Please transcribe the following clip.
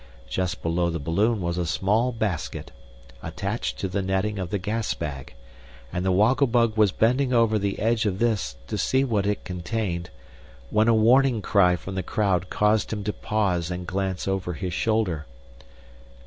Just below the balloon was a small basket, attached to the netting of the gas bag, and the Woggle Bug was bending over the edge of this, to see what it contained, when a warning cry from the crowd caused him to pause and glance over his shoulder.